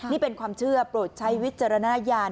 นี่เป็นความเชื่อโปรดใช้วิจารณญาณ